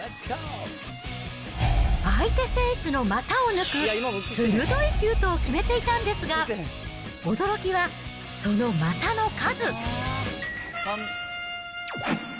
相手選手の股を抜く鋭いシュートを決めていたんですが、驚きはその股の数。